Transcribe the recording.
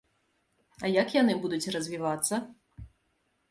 А як яны будуць развівацца?